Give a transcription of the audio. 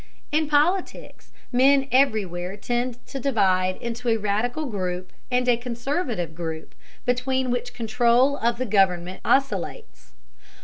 In politics men everywhere tend to divide into a radical group and a conservative group, between which control of the government oscillates.